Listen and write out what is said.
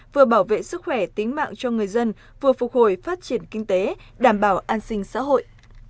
vừa bảo vệ sức khỏe tính mạng cho người dân vừa phục hồi phát triển kinh tế đảm bảo an sinh xã hội